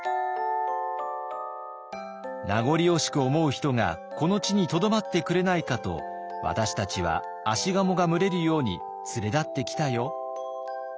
「名残惜しく思う人がこの地にとどまってくれないかと私たちは葦鴨が群れるように連れ立ってきたよ」。